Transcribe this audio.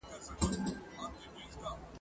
یو ګیدړ د شپې په ښکار وو راوتلی !.